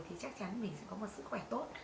thì chắc chắn mình sẽ có một sức khỏe tốt